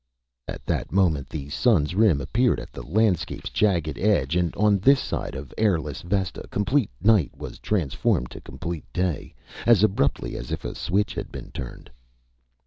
At that moment the sun's rim appeared at the landscape's jagged edge, and on this side of airless Vesta complete night was transformed to complete day, as abruptly as if a switch had been turned.